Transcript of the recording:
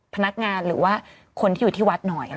พนักงานหรือว่าคนที่อยู่ที่วัดหน่อย